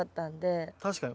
確かに。